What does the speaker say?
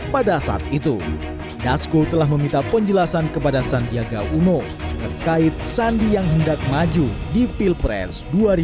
pada saat itu dasko telah meminta penjelasan kepada sandiaga uno terkait sandi yang hendak maju di pilpres dua ribu sembilan belas